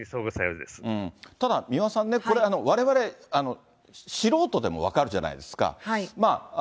ただ三輪さんね、これ、われわれ、素人でも分かるじゃないですか。